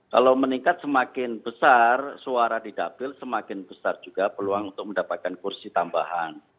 kalau meningkat semakin besar suara di dapil semakin besar juga peluang untuk mendapatkan kursi tambahan